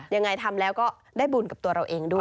ยังไงทำแล้วก็ได้บุญกับตัวเราเองด้วย